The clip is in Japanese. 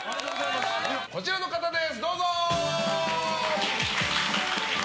こちらの方です、どうぞ！